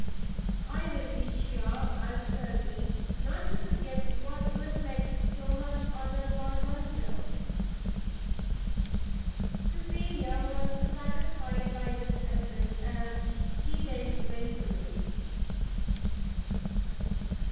"I will be sure," answered he, "not to forget what reflects so much honour upon myself." Cecilia was satisfied by this assent, and he then went away.